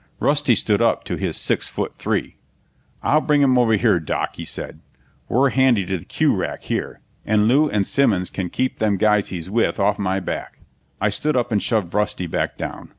Rusty stood up to his six foot three. "I'll bring him over here, Doc," he said. "We're handy to the cue rack here, and Lew and Simmons can keep them guys he's with off my back." I stood up and shoved Rusty back down.